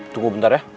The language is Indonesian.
tunggu bentar ya